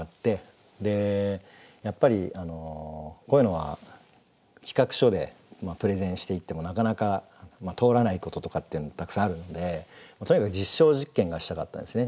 やっぱりこういうのは企画書でプレゼンしていってもなかなか通らないこととかっていうのたくさんあるのでとにかく実証実験がしたかったんですね